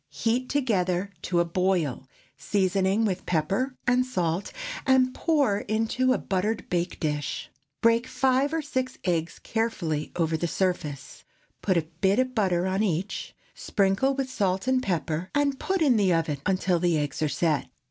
Heat together to a boil, seasoning with pepper and salt, and pour into a buttered bake dish. Break five or six eggs carefully over the surface; put a bit of butter upon each; sprinkle with salt, and pepper, and put in the oven until the eggs are set.